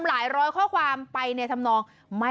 หลายร้อยข้อความไปในธรรมนอง